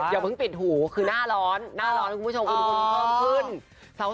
อย่าเพิ่งปิดหูคือหน้าร้อนหน้าร้อนคุณผู้ชมอุ่นเพิ่มขึ้น